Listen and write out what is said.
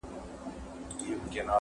چي امیر خلک له ځانه وه شړلي٫